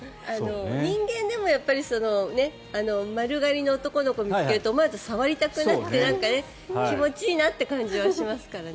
人間でも丸刈りの男の子を見つけると思わず触りたくなって気持ちいいなって感じはしますからね。